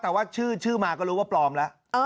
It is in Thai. แต่ว่าชื่อมาก็รู้ว่าปลอมแล้ว